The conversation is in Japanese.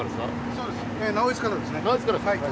そうです。え直江津からですね。